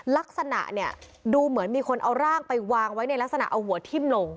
ลักษณะเนี่ยดูเหมือนมีคนเอาร่างไปวางไว้ในลักษณะเอาหัวทิ้มลง